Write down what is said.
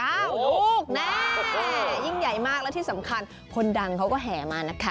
ลูกแน่ยิ่งใหญ่มากและที่สำคัญคนดังเขาก็แห่มานะคะ